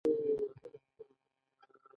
ایا ټول تی لرونکي په ځمکه ژوند کوي